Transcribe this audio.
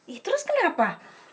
ih terus kenapa